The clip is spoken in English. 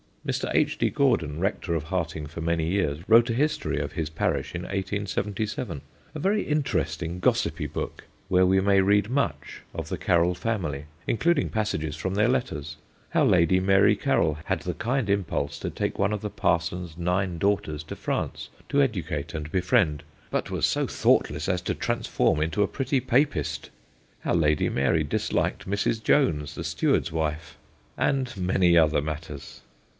Mr. H. D. Gordon, rector of Harting for many years, wrote a history of his parish in 1877: a very interesting, gossipy book; where we may read much of the Caryll family, including passages from their letters how Lady Mary Caryll had the kind impulse to take one of the parson's nine daughters to France to educate and befriend, but was so thoughtless as to transform into a pretty Papist; how Lady Mary disliked Mrs. Jones, the steward's wife; and many other matters.